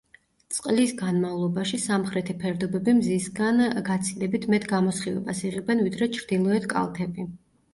წყლის განმავლობაში სამხრეთი ფერდობები მზისგან გაცილებით მეტ გამოსხივებას იღებენ ვიდრე ჩრდილოეთ კალთები.